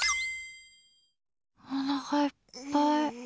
おなかいっぱい。